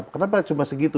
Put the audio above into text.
kenapa cuma segitu